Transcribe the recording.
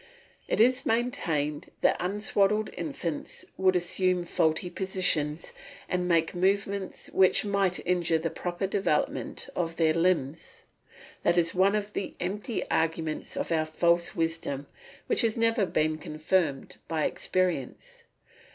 It is maintained that unswaddled infants would assume faulty positions and make movements which might injure the proper development of their limbs. That is one of the empty arguments of our false wisdom which has never been confirmed by experience.